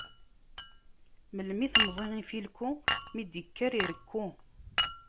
Melmi temẓi ifilku, mi d-ikker irekku?